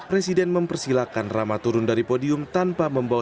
presiden mempersilahkan rama turun ke pondok pesantren muhammadiyah darul arkom garut